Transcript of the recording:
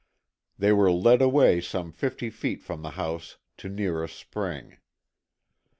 They were led away some fifty feet from the house to near a spring.